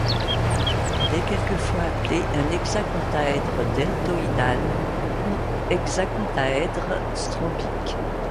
Il est quelquefois appelé un hexacontaèdre deltoïdal ou hexacontaèdre strombique.